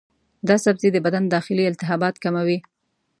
دا سبزی د بدن داخلي التهابات کموي.